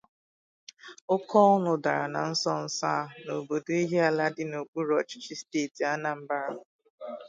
Oke ọñụ̀ dara na nsonso a n'obodo Ihiala dị n'okpuru ọchịchị steeti Anambra